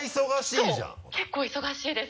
そう結構忙しいです。